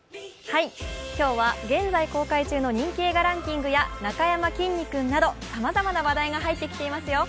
今日は現在公開中の人気映画ランキングやなかやまきんに君などさまざまな話題が入ってきていますよ。